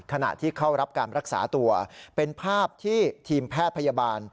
ขณะที่เข้ารับการรักษาตัวเป็นภาพที่ทีมแพทย์พยาบาล